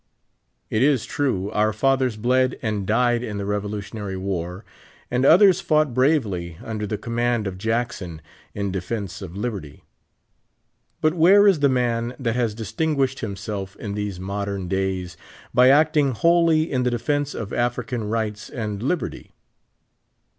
It is true, our fathers bled and died in the revolu tion ar}' war, and others fought bravely, under the com mand of Jackson, in defense of libert3\ But where is the man that has distinguished himself in these modern days by acting wholly in tlie defense of African rights and liberty